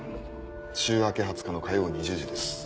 週明け２０日の火曜２０時です。